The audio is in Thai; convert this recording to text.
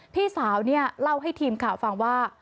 พี่สาวเนี่ยเล่าให้ทีมข่าวฟังว่า